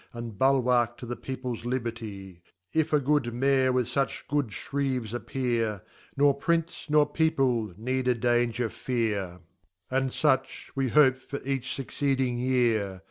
And Bulwark to the Peoples Liberty ! If a good Mayor with fach good S brieves appear, Nor Prince, nor People, need a danger fear : And fuch we hope for each fucceedingyear.